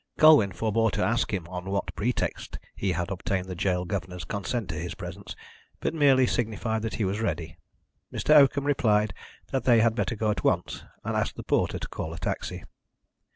Colwyn forbore to ask him on what pretext he had obtained the gaol governor's consent to his presence, but merely signified that he was ready. Mr. Oakham replied that they had better go at once, and asked the porter to call a taxi.